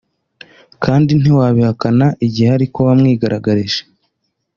kandi ntiwabihakana igihe ari ko wamwigaragarije